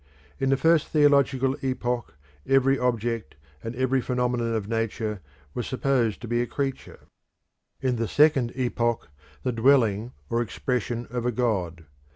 In the first theological epoch every object and every phenomenon of Nature was supposed to be a creature, in the second epoch the dwelling or expression of a god.